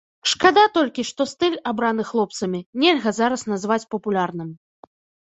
Шкада толькі, што стыль, абраны хлопцамі, нельга зараз назваць папулярным.